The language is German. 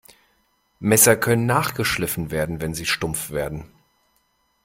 Messer können nachgeschliffen werden, wenn sie stumpf werden.